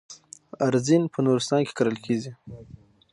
ارزن په نورستان کې کرل کیږي.